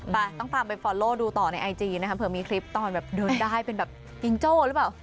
ไปต้องตามไปฟอลโลดูต่อในไอจีนะคะเผื่อมีคลิปตอนแบบเดินได้เป็นแบบฟิงโจ้หรือเปล่า